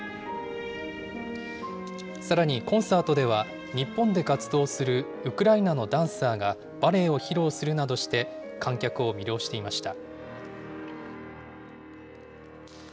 さらに、コンサートでは日本で活動するウクライナのダンサーがバレエを披露するなどして観客を魅了していました。